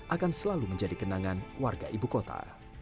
akan selalu menjadi kenangan warga ibu kota